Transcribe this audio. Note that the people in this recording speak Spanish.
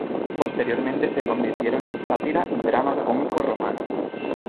Posteriormente se convirtieron en sátira y drama cómico romano.